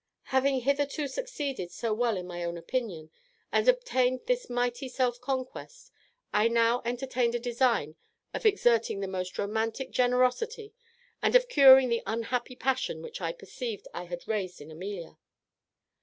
"Having hitherto succeeded so well in my own opinion, and obtained this mighty self conquest, I now entertained a design of exerting the most romantic generosity, and of curing that unhappy passion which I perceived I had raised in Amelia.